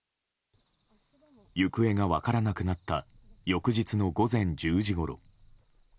行方が分からなくなった翌日の午前１０時ごろ。